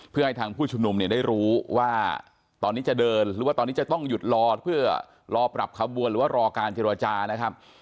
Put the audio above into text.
เพื่อให้ทางผู้ชุมนุมเนี่ยได้รู้ว่าตอนนี้จะเดินหรือว่าตอนนี้จะต้องหยุดรอเพื่อรอปรับขบวนหรือว่ารอการเจรจานะครับ